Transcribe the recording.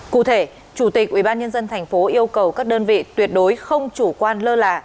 cụ thể chủ tịch ubnd tp yêu cầu các đơn vị tuyệt đối không chủ quan lơ là